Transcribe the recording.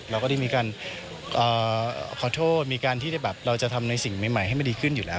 เราก็ได้มีการขอโทษมีการที่แบบเราจะทำในสิ่งใหม่ให้มันดีขึ้นอยู่แล้ว